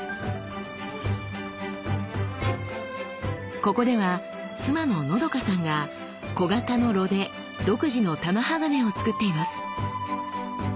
ここでは妻ののどかさんが小型の炉で独自の玉鋼をつくっています。